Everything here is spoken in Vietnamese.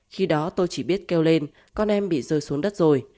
khi đó tôi chỉ biết kêu lên con em bị rơi xuống đất rồi